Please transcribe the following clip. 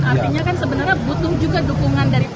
artinya kan sebenarnya butuh juga dukungan dari pdi